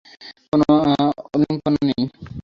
কোনো অলিম্পিয়া নেই।